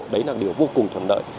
đấy là điều vô cùng thuận đợi